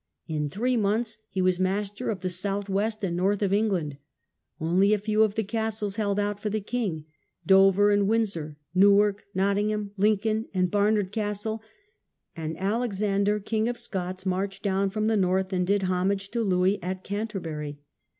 In three months he was master of the south west and north of England. Only a few of the castles held out for the king, Dover and Windsor, Newark, Nottingham, Lincoln, and Barnard Castle; and Alexander, King of Scots, marched down from the north and did homage to Louis at Canterbury.